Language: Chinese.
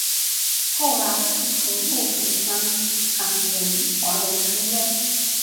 后来一同入读香港华仁书院。